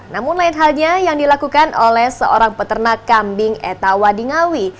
namun lain halnya yang dilakukan oleh seorang peternak kambing etawa di ngawi